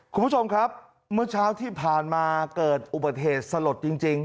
คุณผู้ชมครับเมื่อเช้าที่ผ่านมาเกิดอุบัติเหตุสลดจริง